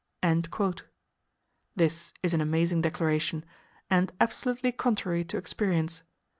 This is an amazing declaration; and absolutely contrary to experience.